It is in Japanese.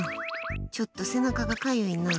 ちょっと背中がかゆいなあ。